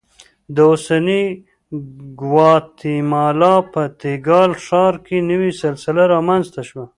د اوسنۍ ګواتیمالا په تیکال ښار کې نوې سلسله رامنځته شوه